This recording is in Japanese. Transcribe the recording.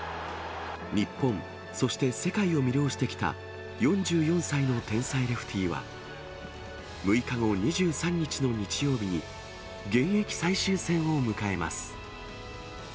日本、そして世界を魅了してきた４４歳の天才レフティーは、６日後、２３日の日曜日に現役最終戦を迎えます。